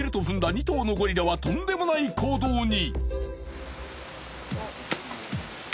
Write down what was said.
２頭のゴリラはとんでもない行動に！